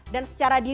dan secara diri